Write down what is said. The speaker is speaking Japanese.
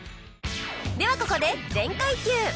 ではここで「全開 Ｑ」